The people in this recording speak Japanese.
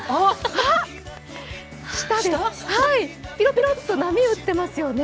舌でピロピロッと波打ってますよね。